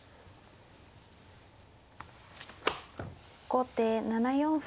後手７四歩。